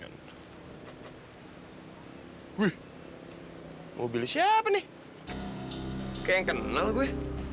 hai wih mau beli siapa nih kayak kenal gue